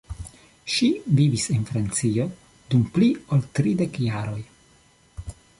Ŝi vivis en Francio dum pli ol tridek jaroj.